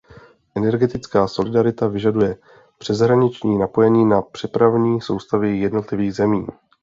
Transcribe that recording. Energetická solidarita vyžaduje přeshraniční napojení na přepravní soustavy jednotlivých zemí.